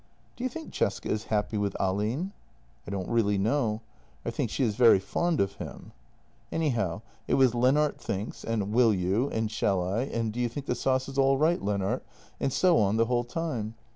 "Do you think Cesca is happy with Ahlin?" " I don't really know. I think she is very fond of him. Anyhow it was ' Lennart thinks ' and ' Will you ?' and ' Shall JENNY 177 I? ' and ' Do you think the sauce is all right, Lennart? ' and so on the whole time.